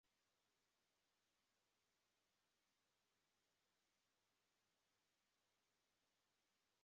造成严重受伤或死亡的医疗错误则称为医疗事故。